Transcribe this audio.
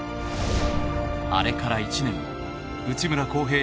あれから１年、内村航平